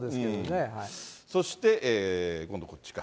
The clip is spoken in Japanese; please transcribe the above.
そして、今度こっちか。